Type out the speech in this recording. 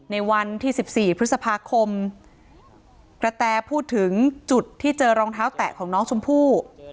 ในวันที่๑๔พฤษภาคมกระแตพูดถึงจุดที่เจอรองเท้าแตะของน้องชมพู่